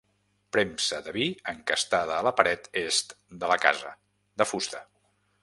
Premsa de vi encastada a la paret est de la casa, de fusta.